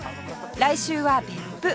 来週は別府